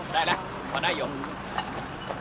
ได้แล้วพอได้อย่างนี้